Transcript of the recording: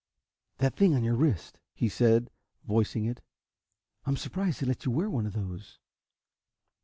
"That thing on your wrist," he said, voicing it. "I'm surprised they let you wear one of those."